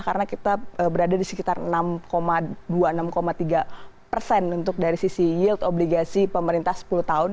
karena kita berada di sekitar enam dua enam tiga persen untuk dari sisi yield obligasi pemerintah sepuluh tahun